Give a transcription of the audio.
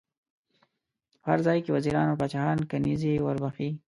په هر ځای کې وزیران او پاچاهان کنیزي ور بخښي.